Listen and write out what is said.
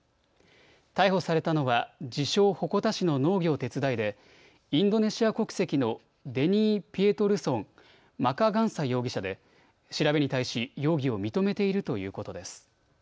逮捕されたのは自称、鉾田市の農業手伝いでインドネシア国籍のデニー・ピエトルソン・マカガンサ容疑者で調べに対し容疑を認めているということです。